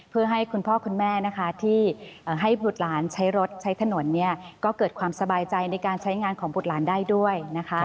เพื่อให้คุณพ่อคุณแม่นะคะที่ให้บุตรหลานใช้รถใช้ถนนก็เกิดความสบายใจในการใช้งานของบุตรหลานได้ด้วยนะคะ